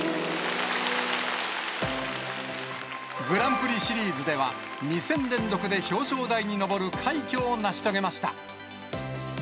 グランプリシリーズでは、２戦連続で表彰台に上る快挙を成し遂げました。